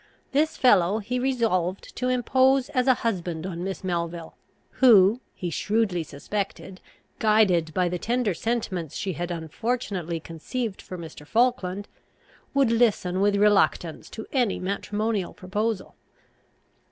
This fellow he resolved to impose as a husband on Miss Melville, who, he shrewdly suspected, guided by the tender sentiments she had unfortunately conceived for Mr. Falkland, would listen with reluctance to any matrimonial proposal.